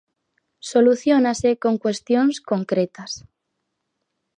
Soluciónase con cuestións concretas.